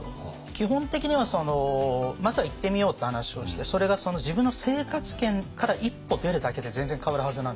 基本的にはまずは行ってみようって話をしてそれが自分の生活圏から一歩出るだけで全然変わるはずなんですよ。